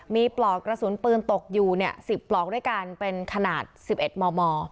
มีปลอกกระสุนปืนตกอยู่๑๐ปลอกด้วยกันเป็นขนาด๑๑มม